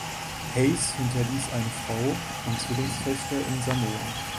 Hayes hinterließ eine Frau und Zwillingstöchter in Samoa.